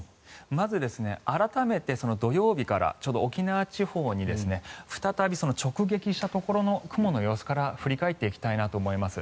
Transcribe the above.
まず、改めて土曜日からちょうど沖縄地方に再び直撃したところの雲の様子から振り返っていきたいと思います。